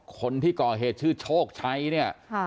คนที่ก่อเหตุชื่อโชคชัยเนี่ย